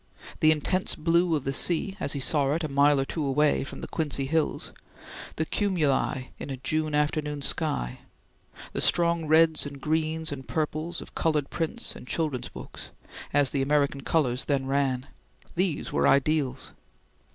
The intense blue of the sea, as he saw it a mile or two away, from the Quincy hills; the cumuli in a June afternoon sky; the strong reds and greens and purples of colored prints and children's picture books, as the American colors then ran; these were ideals.